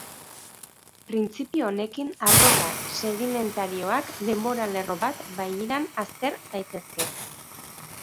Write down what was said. Printzipio honekin arroka sedimentarioak denbora-lerro bat bailiran azter daitezke.